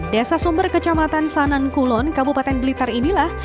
desa sumber kecamatan sanankulon kabupaten blitar inilah